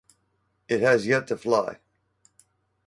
It has yet to fly.